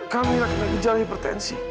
kamila kena gejala hipertensi